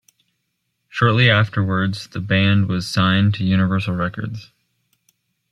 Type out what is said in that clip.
Shortly afterwards the band was signed to Universal Records.